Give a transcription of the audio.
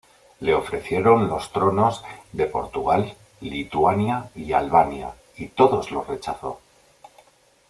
Le ofrecieron los tronos de Portugal, Lituania y Albania, y todos los rechazó.